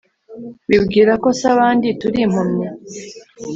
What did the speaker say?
wibwira ko se abandi turimpumyi?